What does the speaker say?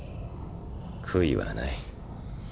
悔いはない。